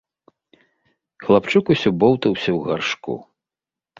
Хлапчук усё боўтаўся ў гаршку.